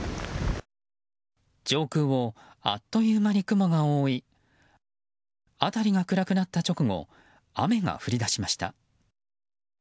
上空をあっという間に雲が覆い辺りが暗くなった直後雨が降り出しました。